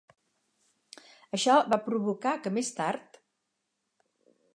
Això va provocar que més tard.